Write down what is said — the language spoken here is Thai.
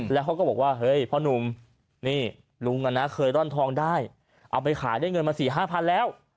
แล้วเขาก็บอกว่าเฮ้ยพ่อนุ่มนี่ลุงเคยร่อนทองได้เอาไปขายได้เงินมา๔๕๐๐แล้ว